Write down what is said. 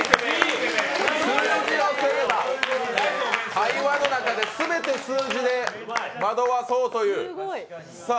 会話の中で全て数字で惑わそうという。